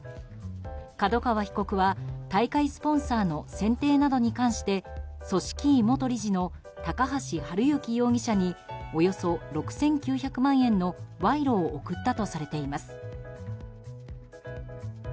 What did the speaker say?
角川被告は大会スポンサーの選定などに関して組織委元理事の高橋治之容疑者におよそ６９００万円の賄賂を贈ったとされています。